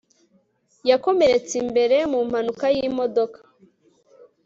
yakomeretse imbere mu mpanuka yimodoka